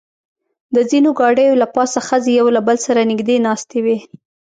د ځینو ګاډیو له پاسه ښځې یو له بل سره نږدې ناستې وې.